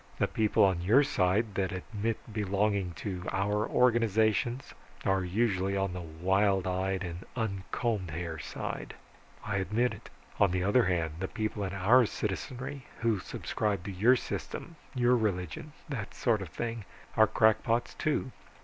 The people on your side that admit belonging to our organizations, are usually on the wild eyed and uncombed hair side I admit it. On the other hand, the people in our citizenry who subscribe to your system, your religion, that sort of thing, are crackpots, too.